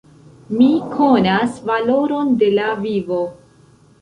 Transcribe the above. Mi konas valoron de la vivo!